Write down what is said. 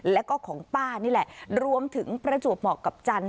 แล้วก็ของป้านี่แหละรวมถึงประจวบเหมาะกับจันท